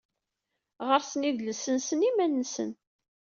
Ɣer-sen idles-nsen iman-nsen